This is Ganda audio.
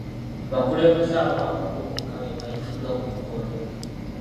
Abakulembeze abawaggulu bokka beebayitiddwa ku mukolo.